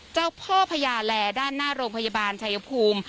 เจ้าพ่อพญาแลด้านหน้าโรงพยาบาลชายภูมิ